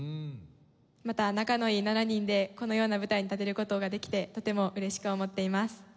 また仲のいい７人でこのような舞台に立てる事ができてとても嬉しく思っています。